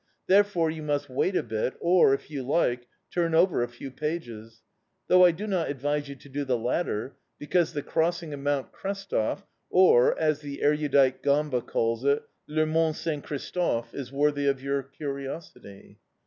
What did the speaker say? Therefore, you must wait a bit, or, if you like, turn over a few pages. Though I do not advise you to do the latter, because the crossing of Mount Krestov (or, as the erudite Gamba calls it, le mont St. Christophe ) is worthy of your curiosity.